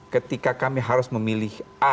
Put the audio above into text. ketika kami harus memilih a